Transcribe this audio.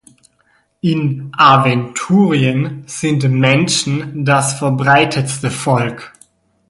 In Aventurien sind Menschen das verbreitetste Volk.